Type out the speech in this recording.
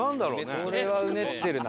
これはうねってるな。